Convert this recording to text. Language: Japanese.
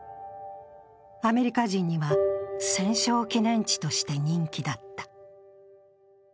アメリカ人には、戦勝記念地として人気だった。